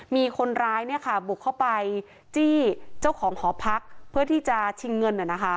มีคนร้ายบุกเข้าไปจี้เจ้าของหอพักเพื่อที่จะชิงเงิน